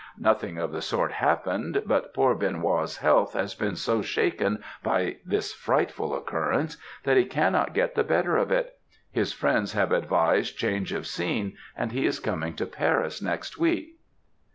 Nothing of the sort happened; but poor Benoît's health has been so shaken by this frightful occurrence that he cannot get the better of it; his friends have advised change of scene, and he is coming to Paris next week.'